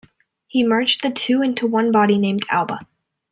He merged the two into one body named Alba.